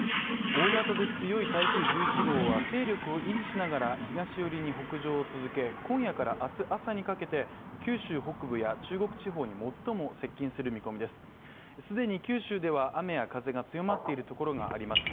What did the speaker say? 大型で強い台風１１号は勢力を維持しながら東寄りに北上を続け、今夜から明日朝にかけて九州北部や中国地方に最も接近する見込みです既に九州では雨や風が強まっているところがあります。